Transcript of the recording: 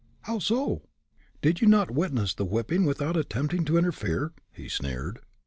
"How so?" "Did you not witness the whipping without attempting to interfere?" he sneered.